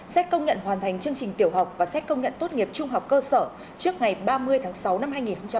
xét công nhận hoàn thành chương trình tiểu học và xét công nhận tốt nghiệp trung học cơ sở trước ngày ba mươi tháng sáu năm hai nghìn hai mươi